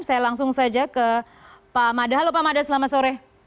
saya langsung saja ke pak mada halo pak mada selamat sore